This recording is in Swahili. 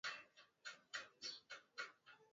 Usafiri wa meli na utalii wa cruise pia huendelea kukua